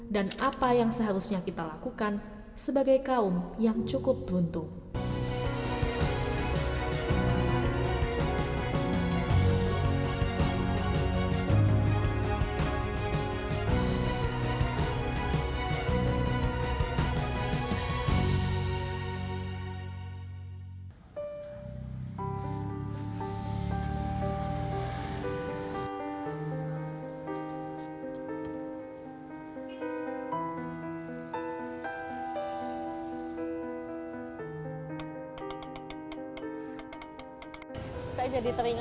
dan apa yang seharusnya kita lakukan sebagai kaum yang cukup beruntung